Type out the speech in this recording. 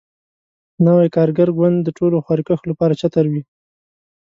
نوی کارګر ګوند د ټولو خواریکښو لپاره چتر وي.